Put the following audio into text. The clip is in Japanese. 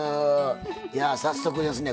いや早速ですね